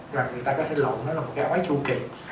người ta có thể lộn nó là cái ói chu kỳ